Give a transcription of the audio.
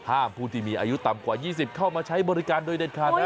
ผู้ที่มีอายุต่ำกว่า๒๐เข้ามาใช้บริการโดยเด็ดขาดนะ